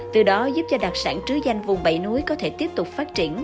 từ đó giúp cho đặc sản trứ danh vùng bảy núi có thể tiếp tục phát triển